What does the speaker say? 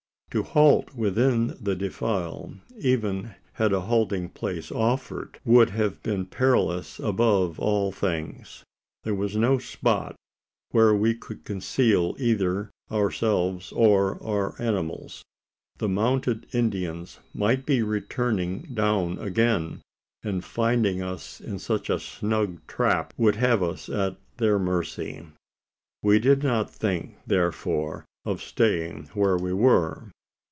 To halt within the defile even had a halting place offered would have been perilous above all things. There was no spot, where we could conceal either ourselves or our animals. The mounted Indians might be returning down again; and, finding us in such a snug trap, would have us at their mercy? We did not think, therefore, of staying where we were.